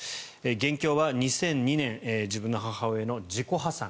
元凶は２００２年自分の母親の自己破産。